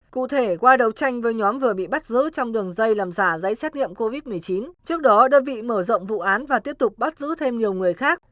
cụ thể qua đấu tranh với nhóm vừa bị bắt giữ trong đường dây làm giả giấy xét nghiệm covid một mươi chín trước đó đơn vị mở rộng vụ án và tiếp tục bắt giữ thêm nhiều người khác